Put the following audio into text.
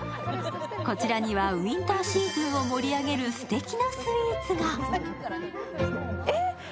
こちらにはウインターシーズンを盛り上げるすてきなスイーツが。